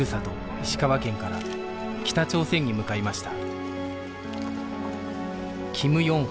石川県から北朝鮮に向かいました